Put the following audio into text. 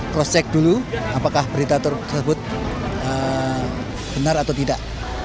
cross check dulu apakah berita tersebut benar atau tidak